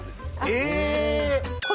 え！